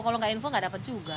kalau tidak info tidak dapat juga